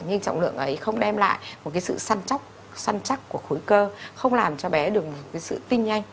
nhưng trọng lượng ấy không đem lại một sự săn chắc của khối cơ không làm cho bé được sự tinh nhanh